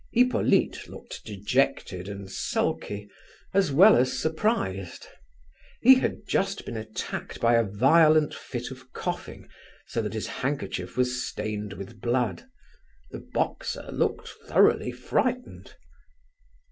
Hippolyte looked dejected and sulky, as well as surprised. He had just been attacked by a violent fit of coughing, so that his handkerchief was stained with blood. The boxer looked thoroughly frightened.